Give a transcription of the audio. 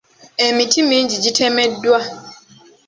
Emiti mingi gitemeddwa.